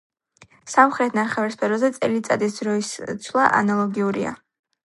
სამხრეთ ნახევარსფეროზე წელიწადის დროის ცვლა ანალოგიურია.